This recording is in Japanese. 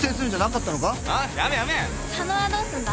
佐野はどうすんだ？